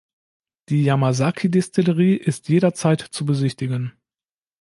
Die Yamazaki-Destillerie ist jederzeit zu besichtigen.